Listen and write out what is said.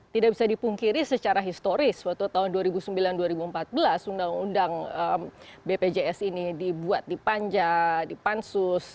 tidak bisa dipungkiri secara historis waktu tahun dua ribu sembilan dua ribu empat belas undang undang bpjs ini dibuat di panja di pansus